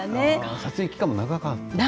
撮影期間も長かったんですね。